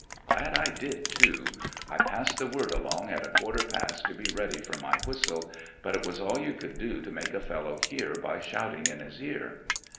Glad I did, too. I passed the word along at a quarter past to be ready for my whistle ; but it was all you could do to make a fellow hear by shouting in his ear.